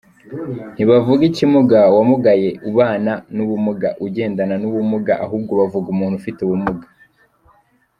Ntibavuga Ikimuga, uwamugaye, ubana n’ubumuga, ugendana n’ubumuga, ahubwo bavuga umuntu ufite ubumuga.